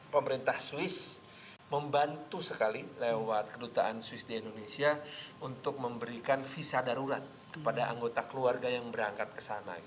pemerintah swiss membantu sekali lewat kedutaan swiss di indonesia untuk memberikan visa darurat kepada anggota keluarga yang berangkat ke sana